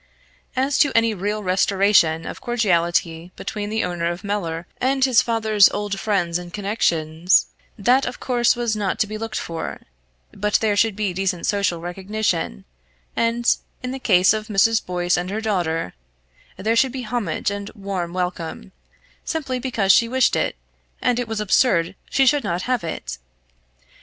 As to any real restoration of cordiality between the owner of Mellor and his father's old friends and connections, that of course was not to be looked for; but there should be decent social recognition, and in the case of Mrs. Boyce and her daughter there should be homage and warm welcome, simply because she wished it, and it was absurd she should not have it!